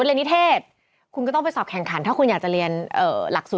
แต่ถ้าเกิดสมมติว่าคุณไม่ได้มีความรู้